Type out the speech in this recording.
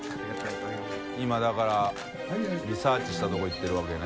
だからリサーチしたとこ行ってるわけね。